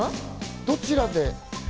どちらで？